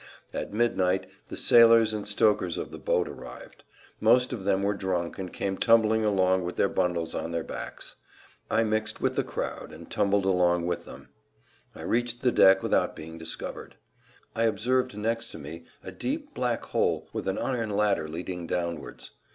At midnight the sailors and stokers of the boat arrived. Most of them were drunk and came tumbling along with their bundles on their backs. I mixed with the crowd and tumbled along with them. I reached[Pg 190] the deck without being discovered. I observed next to me a deep black hole with an iron ladder leading downwards.